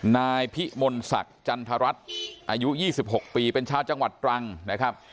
นายพิมลศักดิ์จันทรัฐอายุ๒๖ปีเป็นชาวจังหวัดตรังนะครับ